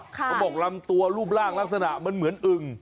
ลำตัวรูปร่างลักษณะมันเหมือนอึ่ง